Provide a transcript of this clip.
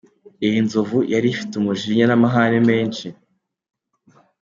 Iyi nzovu yari ifite umujinya n'amahane menshi.